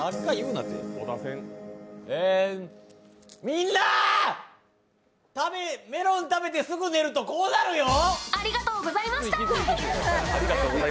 みんなー、メロン食べてすぐ寝ると、こうなるよ。